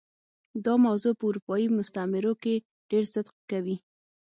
دا موضوع په اروپايي مستعمرو کې ډېر صدق کوي.